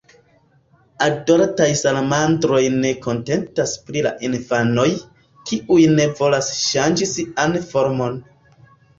Adoltaj salamandroj ne kontentas pri la infanoj, kiuj ne volas ŝanĝi sian formon.